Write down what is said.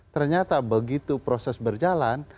ternyata begitu proses berjalan